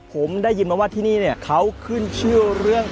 ผมได้ยินมาว่าที่นี่เนี่ยเขาขึ้นชื่อเรื่อง